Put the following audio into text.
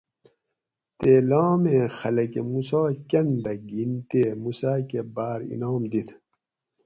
تے لامی خلکہ موسیٰ کنۤ دہ گین تے موسیٰ کہ باۤر انعام دیت